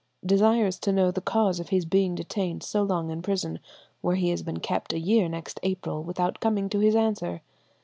... Desires to know the cause of his being detained so long in prison, where he has been kept a year next April without coming to his answer.